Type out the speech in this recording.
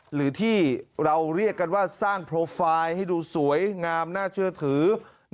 หรือที่เราเรียกกันว่าสร้างโปรไฟล์ให้ดูสวยงามน่าเชื่อถือ